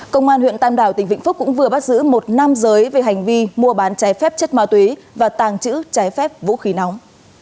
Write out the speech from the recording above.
công an huyện tam đảo tỉnh vĩnh phúc cũng vừa bắt giữ một nam giới về hành vi mua bán trái phép chất ma túy và tàng trữ trái phép vũ khí nóng